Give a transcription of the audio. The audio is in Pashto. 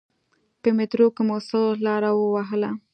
په میترو کې مو څه لاره و وهله.